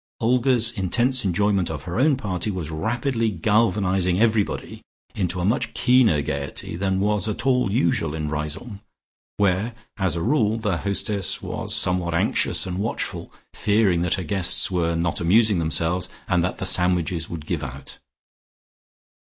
Olga's intense enjoyment of her own party was rapidly galvanizing everybody into a much keener gaiety than was at all usual in Riseholme, where as a rule, the hostess was somewhat anxious and watchful, fearing that her guests were not amusing themselves, and that the sandwiches would give out.